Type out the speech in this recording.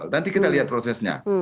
nanti kita lihat prosesnya